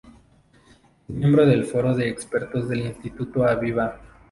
Es miembro del Foro de Expertos del Instituto Aviva.